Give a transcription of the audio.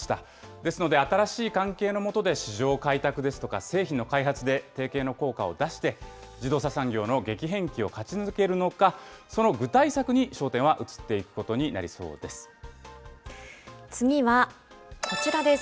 ですので新しい関係のもとで、市場開拓ですとか、製品の開発で提携の効果を出して、自動車産業の激変期を勝ち抜けるのか、その具体策に焦点は移っていくことにな次はこちらです。